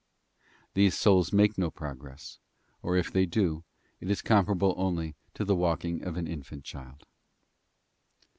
These souls make no progress, or if they do, it is comparable only to the walking of an infant child.